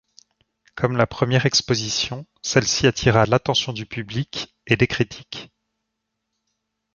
Comme la première exposition, celle-ci attira l'attention du public et des critiques.